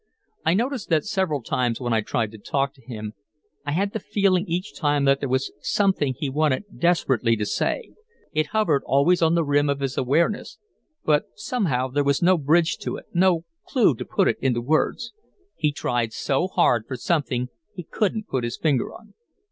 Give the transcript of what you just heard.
I noticed that several times when I tried to talk to him; I had the feeling each time that there was something he wanted desperately to say, it hovered always on the rim of his awareness, but somehow there was no bridge to it, no clue to put it into words. He tried so hard for something he couldn't put his finger on."